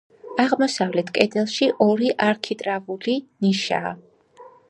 აღმოსავლეთ კედელში ორი არქიტრავული ნიშაა.